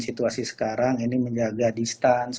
situasi sekarang ini menjaga distance